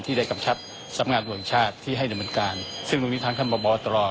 ถ้าได้สั่งการเป็นเป็นทุกคำดูบร้อยครับ